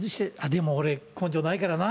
でも俺、根性ないからな。